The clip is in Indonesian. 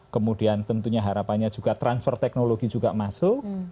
kemudian tentunya harapannya juga transfer teknologi juga masuk